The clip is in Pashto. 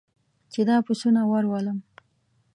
چې دا پسونه ور ولم.